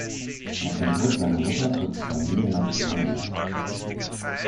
Nach dem Tod seiner Mutter zog die Familie nach Schlangenbad.